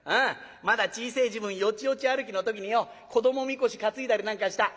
まだ小せえ時分よちよち歩きの時によ子どもみこし担いだりなんかした。